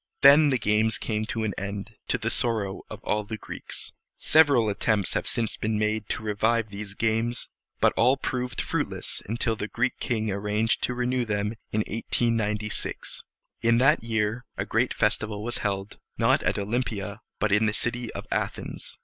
Then the games came to an end, to the sorrow of all the Greeks. Several attempts have since been made to revive these games; but all proved fruitless until the Greek king arranged to renew them in 1896. In that year a great festival was held, not at Olympia, but in the city of Athens.